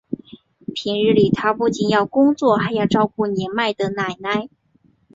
平日里他不仅要工作还要照顾年迈的奶奶。